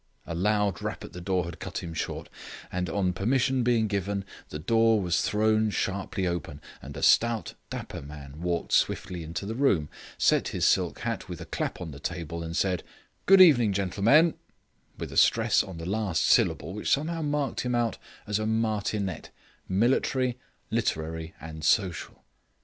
A loud rap at the door had cut him short, and, on permission being given, the door was thrown sharply open and a stout, dapper man walked swiftly into the room, set his silk hat with a clap on the table, and said, "Good evening, gentlemen," with a stress on the last syllable that somehow marked him out as a martinet, military, literary and social.